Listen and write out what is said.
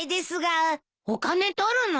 お金取るの！？